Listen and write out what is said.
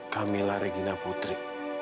kamila regina putri